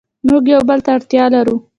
موږ یو بل ته اړتیا لرو.